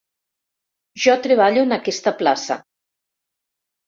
Jo treballo en aquesta plaça.